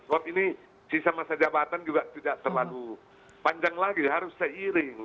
kok ini sisa masa jabatan juga tidak terlalu panjang lagi harus seiring